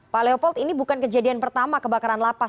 pak leopold ini bukan kejadian pertama kebakaran lapas